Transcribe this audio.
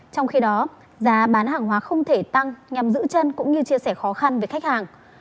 trong khi đó giá bán hàng hóa không thể tăng nhằm giữ chân cũng như chia sẻ khó khăn với khách hàng